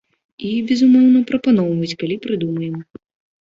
І, безумоўна, прапаноўваць, калі прыдумаем.